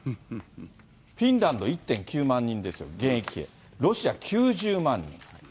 フィンランド１．９万人ですよ、現役兵、ロシア９０万人。